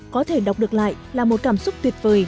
có thể đọc được lại là một cảm xúc tuyệt vời